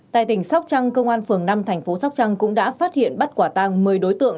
tại tỉnh sóc trăng công an phường năm tp sóc trăng cũng đã phát hiện bắt quả tàng một mươi đối tượng